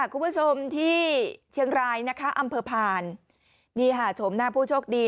คุณผู้ชมที่เชียงรายนะคะอำเภอผ่านนี่ค่ะโฉมหน้าผู้โชคดี